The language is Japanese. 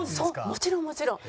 もちろんもちろん。